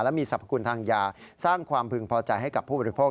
และมีสรรพคุณทางยาสร้างความพึงพอใจให้กับผู้บริโภค